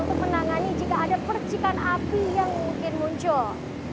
untuk menangani jika ada percikan api yang mungkin muncul